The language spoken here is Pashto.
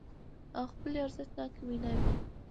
او خپلې ارزښتناکې ويناوې